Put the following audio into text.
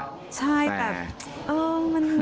ใช่แต่เออมัน